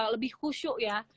lebih kusyuk ya